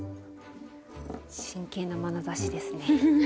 真剣なまなざしですね。